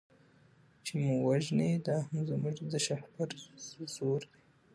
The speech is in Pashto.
چي مو وژني دا هم زموږ د شهپر زور دی